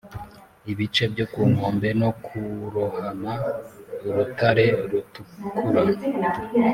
ibice byo ku nkombe no kurohama urutare rutukura;